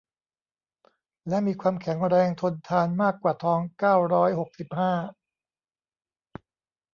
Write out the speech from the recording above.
และมีความแข็งแรง ทนทาน มากกว่าทอง เก้าร้อยหกสิบห้า